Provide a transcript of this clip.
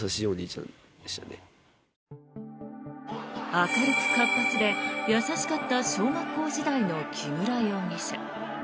明るく活発で優しかった小学校時代の木村容疑者。